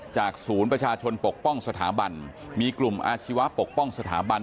จากศูนย์ประชาชนปกป้องสถาบันมีกลุ่มอาชีวะปกป้องสถาบัน